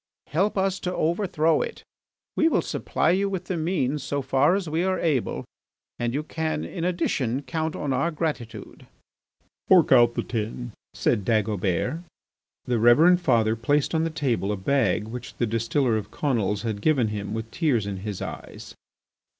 Help us to overthrow it; we will supply you with the means so far as we are able, and you can in addition count on our gratitude." "Fork out the tin," said Dagobert. The Reverend Father placed on the table a bag which the distiller of Conils had given him with tears in his eyes.